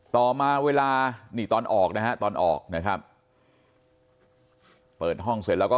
ต่อมาเวลานี่ตอนออกนะครับเปิดห้องเสร็จแล้วก็